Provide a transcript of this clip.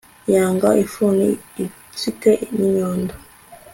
Yanga ifuni ifite ninyundo